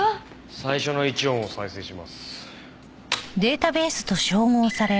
最初の１音を再生します。